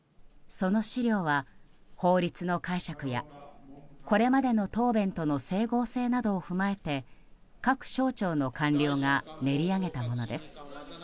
その資料は法律の解釈やこれまでの答弁との整合性などを踏まえて各省庁の官僚が練り上げたものです。